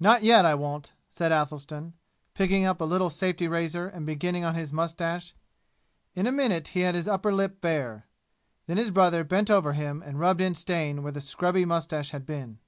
"Not yet, I won't!" said Athelstan, picking up a little safety razor and beginning on his mustache. In a minute he had his upper lip bare. Then his brother bent over him and rubbed in stain where the scrubby mustache had been.